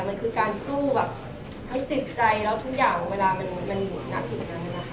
มันคือการสู้แบบทั้งจิตใจแล้วทุกอย่างเวลามันเหมือนมันอยู่นักอยู่นั้นนะคะ